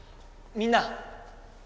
みんな。